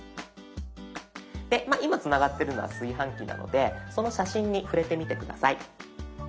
今つながってるのは炊飯器なのでその写真に触れてみて下さい。